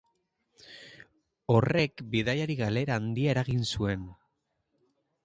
Horrek bidaiari galera handia eragin zuen.